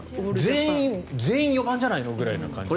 全員４番じゃないのみたいな感じ。